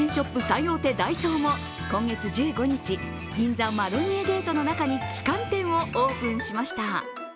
最大手ダイソーも今月１５日銀座マロニエゲートの中に旗艦店をオープンしました。